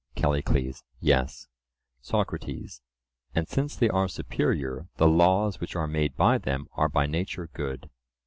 CALLICLES: Yes. SOCRATES: And since they are superior, the laws which are made by them are by nature good?